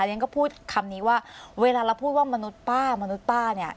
ฉันก็พูดคำนี้ว่าเวลาเราพูดว่ามนุษย์ป้ามนุษย์ป้าเนี่ย